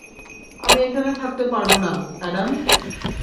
আমি এখানে থাকতে পারবো না, অ্যাডাম।